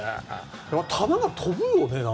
球が飛ぶよね。